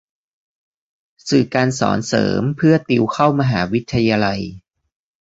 สื่อการสอนเสริมเพื่อติวเข้ามหาวิทยาลัย